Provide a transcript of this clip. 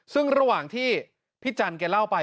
ซึ่งระหว่างที่พี่จันแกเล่าไป